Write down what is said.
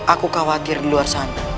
aku khawatir di luar sana